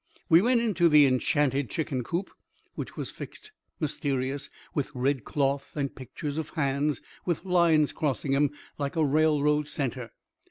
We went into the enchanted chicken coop, which was fixed mysterious with red cloth and pictures of hands with lines crossing 'em like a railroad centre.